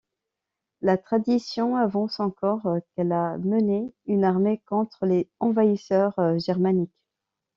La tradition avance encore qu'elle a mené une armée contre les envahisseurs germaniques.